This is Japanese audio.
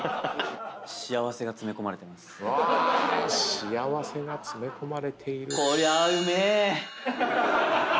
幸せが詰め込まれてます。